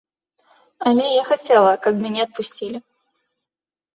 Але я хацела, каб мяне адпусцілі.